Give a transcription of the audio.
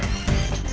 aku mau lihat